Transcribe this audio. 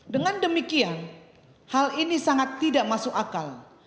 dengan demikian hal ini sangat tidak masuk akal